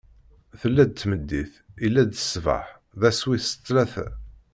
Tella-d tmeddit, illa-d ṣṣbeḥ: d ass wis tlata.